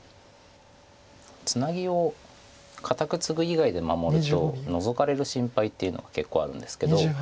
ツナギを固くツグ以外で守るとノゾかれる心配っていうのが結構あるんですけど。